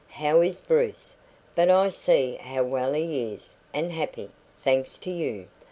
How is Bruce? But I see how well he is, and happy thanks to you.